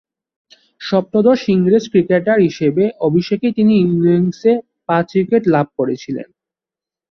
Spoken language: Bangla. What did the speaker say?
সপ্তদশ ইংরেজ ক্রিকেটার হিসেবে অভিষেকেই তিনি ইনিংসে পাঁচ উইকেট লাভ করেছিলেন।